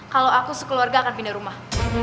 kalau aku sekeluarga akan pindah rumah